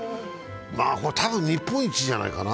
これ、たぶん日本一じゃないかな。